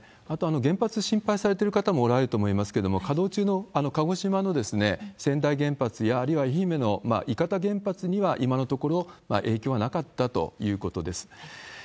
あと、原発、心配されてる方もおられると思いますけども、稼働中の鹿児島の川内原発や、あるいは愛媛の伊方原発には、今のところ影響はなかったということです。